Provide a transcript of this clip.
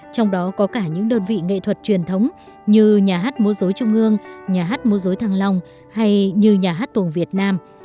trong đó có cả những đơn vị nghệ thuật truyền thống như nhà hát mốt rối trung ương nhà hát mốt rối thăng long hay như nhà hát tùng việt nam